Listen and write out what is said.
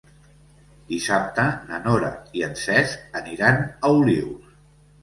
Dissabte na Nora i en Cesc aniran a Olius.